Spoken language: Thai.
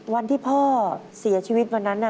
วันที่พ่อเสียชีวิตวันนั้นน่ะ